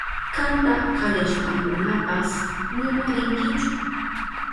Kanta kayashpankunapas nima rinkichu.